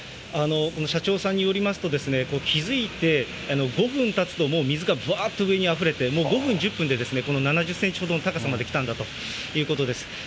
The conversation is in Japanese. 社長さんによりますと、気付いて５分たつと、もう水がぶわーっと上にあふれて、もう５分、１０分でこの７０センチほどの高さまで来たんだということです。